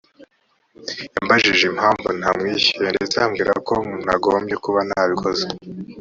yambajije impamvu ntamwishyuye ndetse ambwira ko nagombye kuba nabikoze